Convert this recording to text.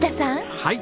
はい。